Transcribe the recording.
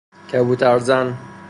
کبوتر زن